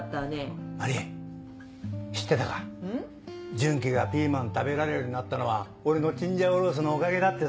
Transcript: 順基がピーマン食べられるようになったのは俺のチンジャオロースのおかげだってさ。